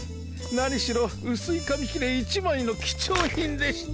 何しろ薄い紙切れ１枚の貴重品でして。